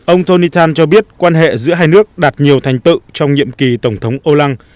ông tony tan cho biết quan hệ giữa hai nước đạt nhiều thành tựu trong nhiệm kỳ tổng thống o lang